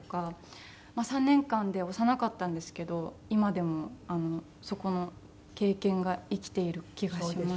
３年間で幼かったんですけど今でもそこの経験が生きている気がします。